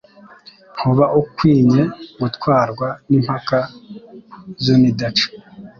ntuba ukwinye gutwarwa n'impaka z'unidaca,